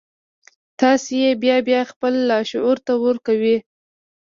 تاسې يې بيا بيا خپل لاشعور ته ورکوئ.